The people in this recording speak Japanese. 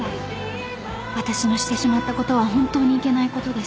［私のしてしまったことは本当にいけないことです］